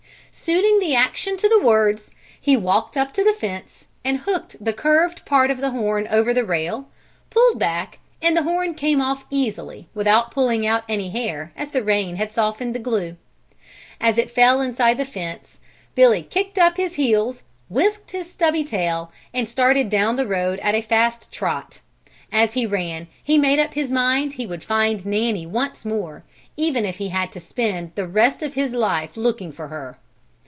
Suiting the action to the words, he walked up to the fence and hooked the curved part of the horn over the rail, pulled back, and the horn came off easily without pulling out any hair as the rain had softened the glue. As it fell inside the fence, Billy kicked up his heels, whisked his stubby tail, and started down the road at a fast trot. As he ran, he made up his mind he would find Nanny once more, even if he had to spend the rest of his life looking for her.